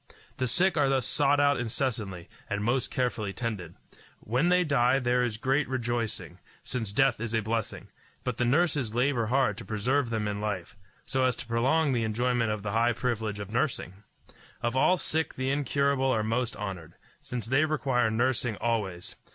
The sick are thus sought out incessantly, and most carefully tended. When they die there is great rejoicing, since death is a blessing; but the nurses labor hard to preserve them in life, so as to prolong the enjoyment of the high privilege of nursing. Of all sick the incurable are most honored, since they require nursing always.